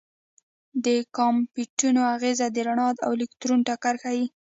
د کامپټون اغېز د رڼا او الکترون ټکر ښيي.